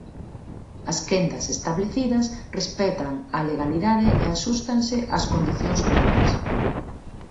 As quendas establecidas respectan a legalidade e axústanse ás condicións laborais.